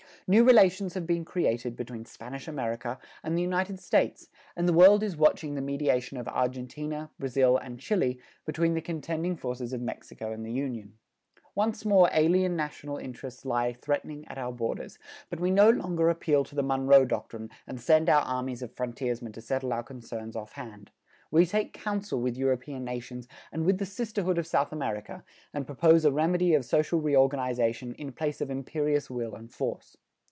New relations have been created between Spanish America and the United States and the world is watching the mediation of Argentina, Brazil and Chile between the contending forces of Mexico and the Union. Once more alien national interests lie threatening at our borders, but we no longer appeal to the Monroe Doctrine and send our armies of frontiersmen to settle our concerns off hand. We take council with European nations and with the sisterhood of South America, and propose a remedy of social reorganization in place of imperious will and force.